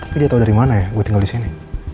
tapi dia tahu dari mana ya gue tinggal di sini